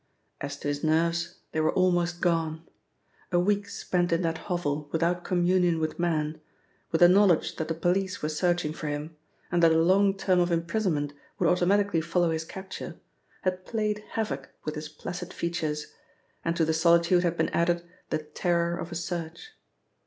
As to his nerves, they were almost gone. A week spent in that hovel without communion with man, with the knowledge that the police were searching for him, and that a long term of imprisonment would automatically follow his capture, had played havoc with his placid features, and to the solitude had been added the terror of a search.